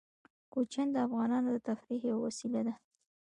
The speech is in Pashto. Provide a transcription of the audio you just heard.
کوچیان د افغانانو د تفریح یوه وسیله ده.